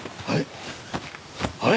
あれ？